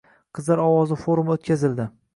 Qizlar ovozi forumi o‘tkazildi